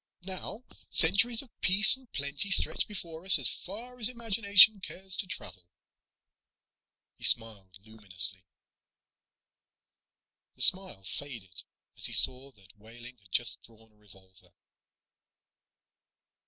Now centuries of peace and plenty stretch before us as far as the imagination cares to travel." He smiled luminously. The smile faded as he saw that Wehling had just drawn a revolver.